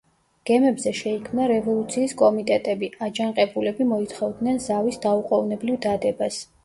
გემებზე შეიქმნა რევოლუციის კომიტეტები, აჯანყებულები მოითხოვდნენ ზავის დაუყონებლივ დადებას.